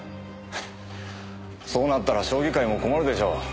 フッそうなったら将棋界も困るでしょ？